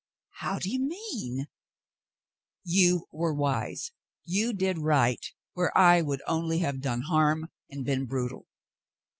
"How do you mean "^" "You were wise. You did right where I would only have dove harm and been brutal.